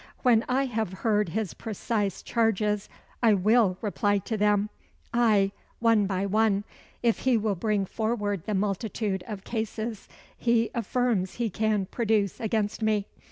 When I have heard his precise charges, I will reply to them ay, one by one if he will bring forward the multitude of cases he affirms he can produce against me.